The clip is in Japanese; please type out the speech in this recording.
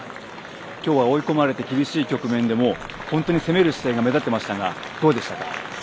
今日は追い込まれて厳しい局面でも本当に攻める姿勢が目立ってましたがどうでしたか？